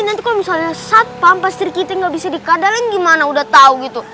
nanti kalau misalnya satpam pas trik itu gak bisa dikadaling gimana udah tau gitu